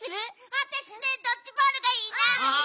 あたしねドッジボールがいいな！